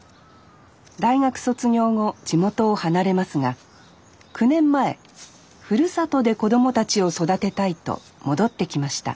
大学卒業後地元を離れますが９年前ふるさとで子供たちを育てたいと戻ってきました